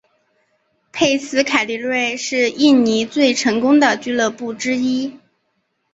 佩斯凯迪瑞是印尼最成功的俱乐部之一。